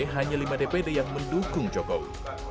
hanya lima dpd yang mendukung jokowi